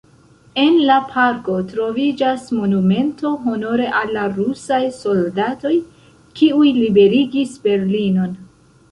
En la parko troviĝas monumento honore al la rusaj soldatoj, kiuj liberigis Berlinon.